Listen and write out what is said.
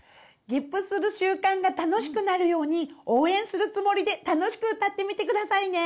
げっぷする習慣が楽しくなるように応援するつもりで楽しく歌ってみてくださいね！